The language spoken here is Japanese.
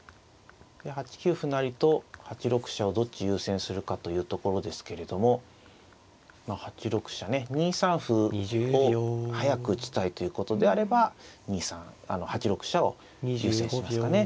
８九歩成と８六飛車をどっち優先するかというところですけれどもまあ８六飛車ね２三歩を早く打ちたいということであれば８六飛車を優先しますかね。